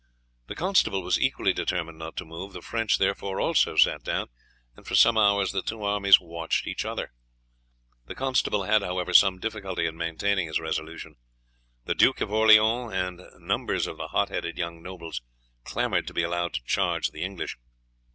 The constable was equally determined not to move; the French therefore also sat down, and for some hours the two armies watched each other. The constable had, however, some difficulty in maintaining his resolution. The Duke of Orleans and numbers of the hot headed young nobles clamoured to be allowed to charge the English.